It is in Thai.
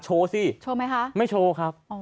โชว์สิไม่โชว์ครับ